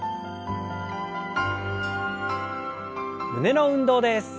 胸の運動です。